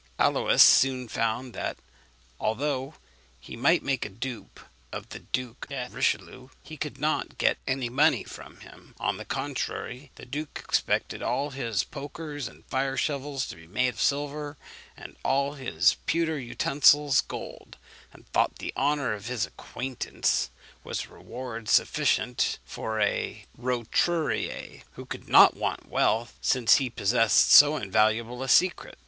Aluys soon found that, although he might make a dupe of the Duke de Richelieu, he could not get any money from him. On the contrary, the duke expected all his pokers and fire shovels to be made silver, and all his pewter utensils gold; and thought the honour of his acquaintance was reward sufficient for a roturier, who could not want wealth since he possessed so invaluable a secret.